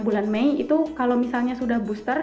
bulan mei itu kalau misalnya sudah booster